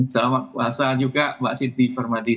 selamat puasa juga mbak siti permadi